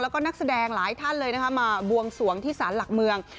แล้วก็นักแสดงหลายท่านเลยนะคะมาบวงสวงที่สารหลักเมือง